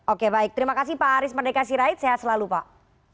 oke baik terima kasih pak aris merdeka sirait sehat selalu pak